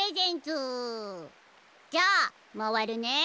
じゃあまわるね。